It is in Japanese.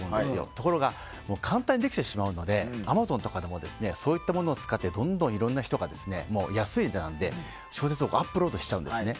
ところが簡単にできてしまうのでアマゾンとかでもそういったものを使ってどんどん、いろんな人が安い値段で小説をアップロードしちゃうんですね。